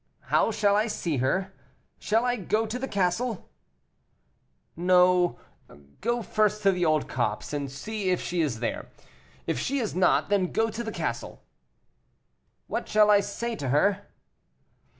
"How shall I see her? Shall I go to the castle?" "No; go first to the old copse and see if she is there; if she is not then go to the castle." "What shall I say to her?"